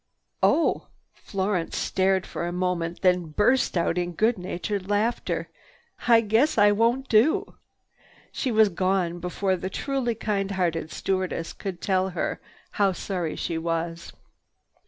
"Oh!" Florence stared for a moment, then burst out in good natured laughter. "I—I guess I won't do." She was gone before the truly kind hearted stewardess could tell her how sorry she was.